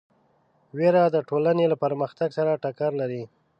وېره د ټولنې له پرمختګ سره ټکر لري.